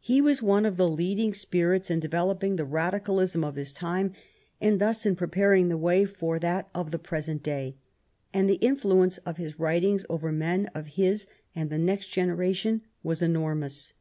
He was one of the leading spirits in developing the Radicalism of his time, and thus in preparing the way for that of the present day ; and the influence of his writings over men of his and the next generation was enormous.